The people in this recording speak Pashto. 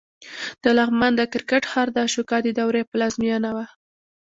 د لغمان د کرکټ ښار د اشوکا د دورې پلازمېنه وه